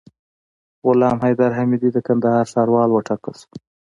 غلام حیدر حمیدي د کندهار ښاروال وټاکل سو